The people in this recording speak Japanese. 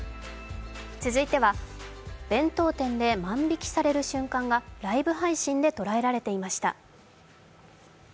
続いては弁当店で万引きされる瞬間がライブ配信で捉えられていました。